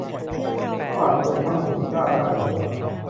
พระบาทสมเด็จพระมงกุฏเกล้าเจ้าอยู่หัว